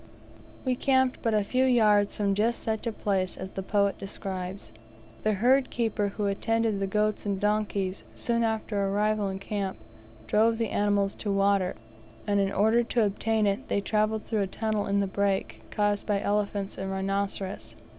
We camped but a few yards from just such a place as the poet describes. The herd keeper who attended the goats and donkeys, soon after our arrival in camp, drove the animals to water, and in order to obtain it they travelled through a tunnel in the brake, caused by elephants and rhinoceros.